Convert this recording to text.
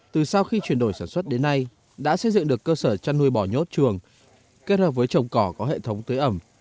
từ sau khi chuyển đổi sản xuất đến nay đã xây dựng được cơ sở chăn nuôi bò nhốt chuồng kết hợp với trồng cỏ có hệ thống tưới ẩm